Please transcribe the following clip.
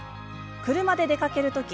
車で出かける時